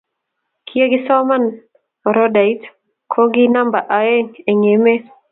Kiyekisoma oradait ko ki namba oeng eng emet.